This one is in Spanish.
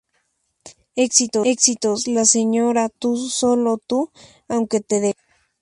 Éxitos: La señora, Tu solo tu, Aunque te deje.